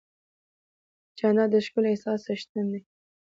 جانداد د ښکلي احساس څښتن دی.